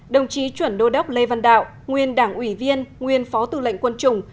đồng chí chuẩn đô đốc lê văn đạo nguyên đảng ủy viên nguyên phó tư lệnh quân chủng